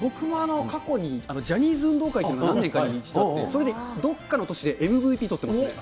僕も過去にジャニーズ運動会っていうのが何年かに１度それでどっかの年でＭＶＰ取ってます。